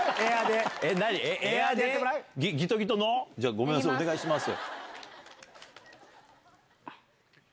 ごめんなさいお願いします。